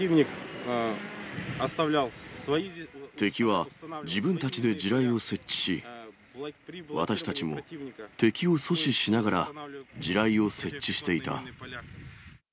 敵は自分たちで地雷を設置し、私たちも敵を阻止しながら、地雷を設置していた。